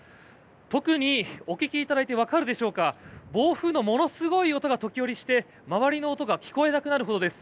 特に、お聞きいただいてわかるでしょうか暴風のものすごい音が時折して周りの音が聞こえなくなるほどです。